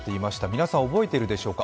皆さん覚えているでしょうか。